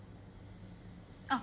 あっ！